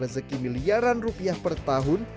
rezeki miliaran rupiah per tahun